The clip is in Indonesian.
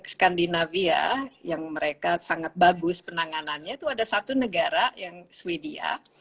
skandinavia yang mereka sangat bagus penanganannya itu ada satu negara yang sweden